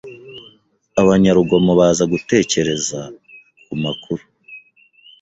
abanyarugomo baza gutekereza kumakuru